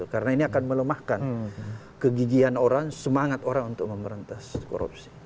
karena ini akan melemahkan kegigihan orang semangat orang untuk memerintah korupsi